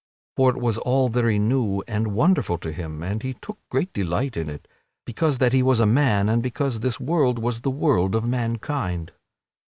For it was all very new and wonderful to him and he took great delight in it because that he was a man and because this world was the world of mankind.